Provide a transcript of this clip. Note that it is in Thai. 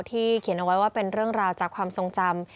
ที่เขียนว่าเป็นเรื่องราวจากความทรงจำ